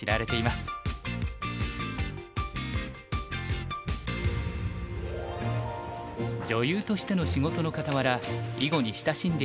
女優としての仕事のかたわら囲碁に親しんでいる小宮山さん。